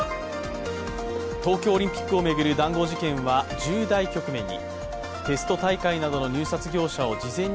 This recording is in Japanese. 東京オリンピックを巡る談合事件は重大局面に。